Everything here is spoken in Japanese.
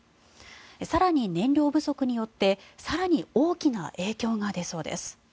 更に、燃料不足によって更に大きな影響が出そうです。